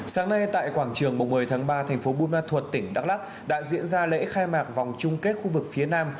sáng nay tại quảng trường một mươi tháng ba thành phố buôn ma thuột tỉnh đắk lắc đã diễn ra lễ khai mạc vòng chung kết khu vực phía nam